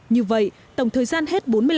như vậy tổng thời gian hết bốn phút